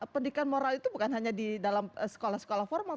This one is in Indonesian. pendidikan moral itu bukan hanya di dalam sekolah sekolah formal